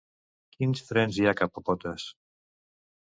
Quins trens hi ha cap a Potes?